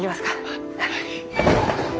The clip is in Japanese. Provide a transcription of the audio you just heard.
あっはい。